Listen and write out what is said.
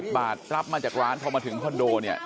บาทรับมาจากร้านพอมาถึงคอนโดเนี่ย